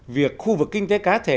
việc khu vực kinh tế cá thể